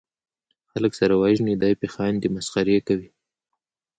خلک سره وژني دي پې خاندي مسخرې کوي